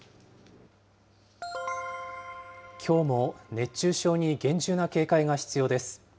きょうも熱中症に厳重な警戒が必要です。